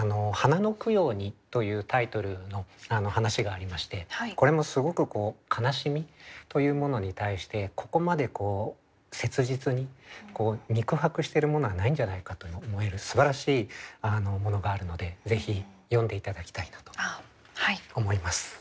「花の供養に」というタイトルの話がありましてこれもすごくこう悲しみというものに対してここまで切実に肉薄してるものはないんじゃないかと思えるすばらしいものがあるのでぜひ読んで頂きたいなと思います。